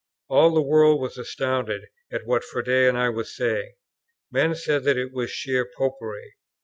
All the world was astounded at what Froude and I were saying: men said that it was sheer Popery.